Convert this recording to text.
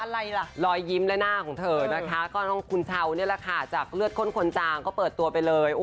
รอยยิ้มเลยหน้าของเธอนะคะคุณเช้าแล้วล่ะค่ะจากเลือดคนคนจางก็เปิดตัวไปเลย